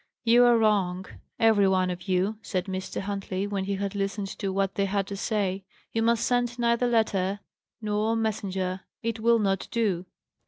"You are wrong, every one of you," said Mr. Huntley, when he had listened to what they had to say. "You must send neither letter nor messenger. It will not do."